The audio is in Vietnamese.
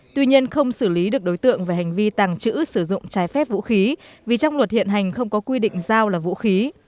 tuy nhiên không xử lý được đối tượng về hành vi tàng trữ sử dụng trái phép vũ khí vì trong luật hiện hành không có quy định dao là vũ khí